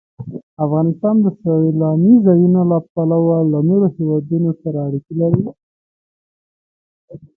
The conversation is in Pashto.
افغانستان د سیلانی ځایونه له پلوه له نورو هېوادونو سره اړیکې لري.